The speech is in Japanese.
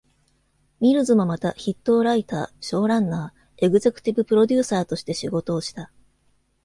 ミルズもまた筆頭ライター、ショーランナー、エグゼクティブプロデューサーとして仕事をした。